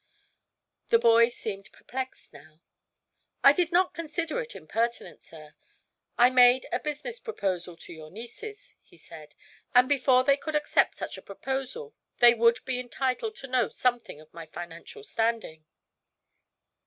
The boy seemed perplexed, now. "I did not consider it impertinent, sir. I made a business proposal to your nieces," he said, "and before they could accept such a proposal they would be entitled to know something of my financial standing."